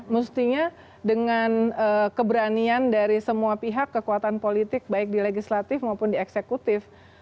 mestinya dengan keberanian dari semua pihak kekuatan politik baik di legislatif maupun di eksekutif